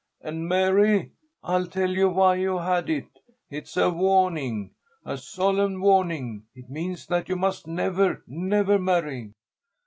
And, Mary, I'll tell you why you had it. It's a warning! A solemn warning! It means that you must never, never marry."